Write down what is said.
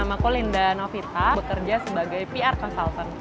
nama ku linda novita bekerja sebagai pr consultant